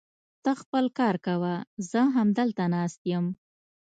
ته خپل کار کوه، زه همدلته ناست يم.